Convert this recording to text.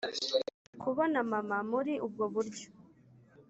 kubona mama muri ubwo buryo.